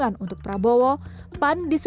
sepan sudah terangkan di drago